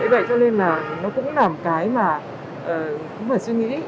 vậy cho nên là nó cũng là một cái mà cũng phải suy nghĩ